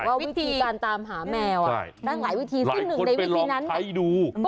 ว่าวิธีการตามหาแมวมีหลายวิธีสิ้นหนึ่งในวิธีนั้น